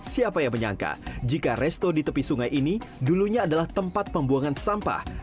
siapa yang menyangka jika resto di tepi sungai ini dulunya adalah tempat pembuangan sampah